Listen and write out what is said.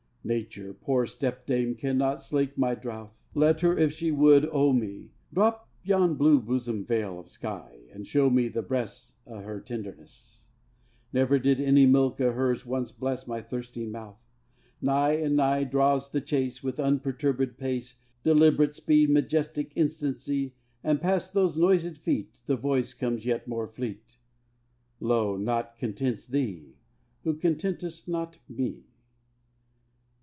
Nature, poor stepdame, cannot slake my drouth; Let her, if she would owe me, Drop yon blue bosom veil of sky, and show me The breasts o' her tenderness: Never did any milk of hers once bless My thirsting mouth. Nigh and nigh draws the chase, With unperturbèd pace, Deliberate speed, majestic instancy; And past those noisèd Feet A voice comes yet more fleet "Lo! naught contents thee, who content'st not Me."